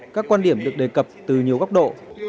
các quan điểm được đề cập từ nhiều góc độ